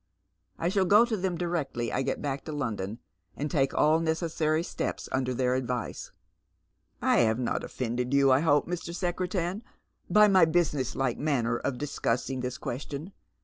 I shall go to them directly I get back to London, and take all necessary steps imder their advice." "I have not offended you, I hope, Mr. Secretan. by mv busi ness like manner of discussing this qne.^tion.